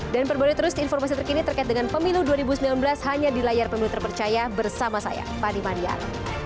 dan perbaiki terus informasi terkini terkait dengan pemilu dua ribu sembilan belas hanya di layar pemilu terpercaya bersama saya fadi maryar